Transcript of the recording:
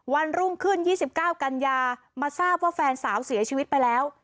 วันรุ่งขึ้น๒๙กันยามาทราบว่าแฟนสาวเสียชีวิตไปแล้ว